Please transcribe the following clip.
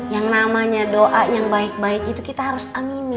yang namanya doa yang baik baik itu kita harus amini